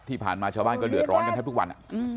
ที่ผ่านมาชาวบ้านก็เดือดร้อนกันแทบทุกวัน